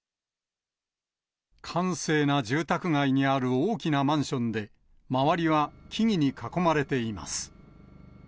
閑静な住宅街にある大きなマンションで、周りは木々に囲まれています。